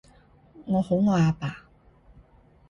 我好愛阿爸